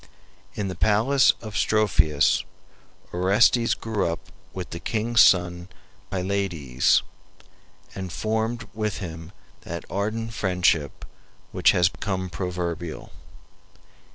In the palace of Strophius Orestes grew up with the king's son Pylades, and formed with him that ardent friendship which has become proverbial.